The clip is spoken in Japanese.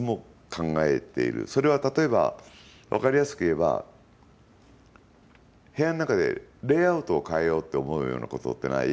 それは例えば分かりやすく言えば部屋の中でレイアウトを変えようって思うようなことってない？